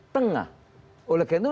tengah oleh karena itu